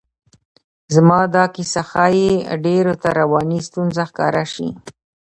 زما دا کیسه ښایي ډېرو ته رواني ستونزه ښکاره شي.